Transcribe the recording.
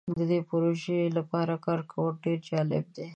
د دې پروژې لپاره کار کول ډیر جالب دی.